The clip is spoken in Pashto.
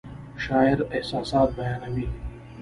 شاعر احساسات بیانوي